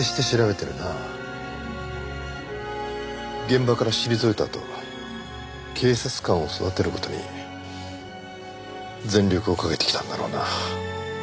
現場から退いたあと警察官を育てる事に全力をかけてきたんだろうな。